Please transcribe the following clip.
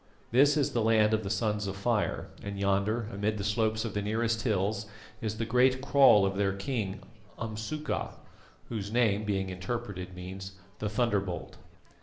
This is the land of the Sons of Fire, and yonder amid the slopes of the nearest hills is the great kraal of their king, Umsuka, whose name, being interpreted, means The Thunderbolt.